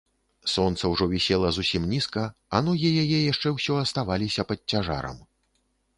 Сонца ўжо вісела зусім нізка, а ногі яе яшчэ ўсё аставаліся пад цяжарам.